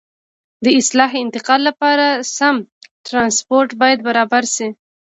د حاصل انتقال لپاره سم ترانسپورت باید برابر شي.